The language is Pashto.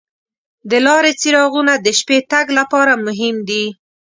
د لارې څراغونه د شپې تګ لپاره مهم دي.